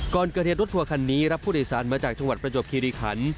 ก่อนเกิดเหตุรถทัวร์คันนี้รับผู้โดยสารมาจากจังหวัดประจวบคิริขัน